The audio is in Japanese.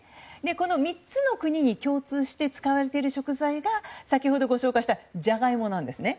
この３つの国に共通して使われている食材が先ほど、ご紹介したジャガイモなんですね。